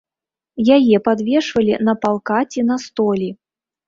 Яе падвешвалі на палка ці на столі.